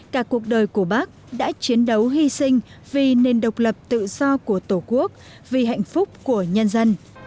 cả cuộc đời của bác đã chiến đấu hy sinh vì nền độc lập tự do của tổ quốc vì hạnh phúc của nhân dân